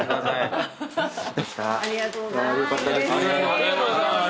ありがとうございます。